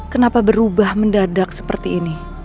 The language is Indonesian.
kenapa berubah mendadak seperti ini